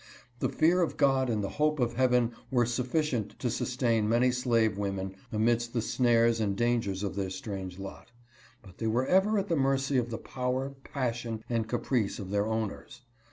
The fear of God and the hope of heaven were sufficient to sustain many slave women amidst the snares and dangers of their strange lot ; but they were ever at the mercy of the power, passion and caprice of their owners.